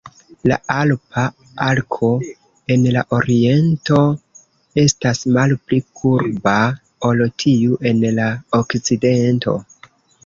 La alpa arko en la oriento estas malpli kurba ol tiu en la okcidento.